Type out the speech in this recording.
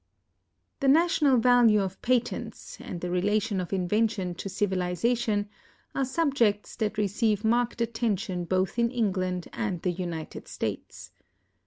The national value of patents, and the relation of invention to civilization, are subjects that receive marked attention both in England and the United States.